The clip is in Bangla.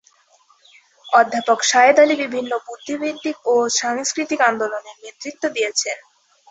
অধ্যাপক শাহেদ আলী বিভিন্ন বুদ্ধিবৃত্তিক ও সাংস্কৃতিক আন্দোলনের নেতৃত্ব দিয়েছেন।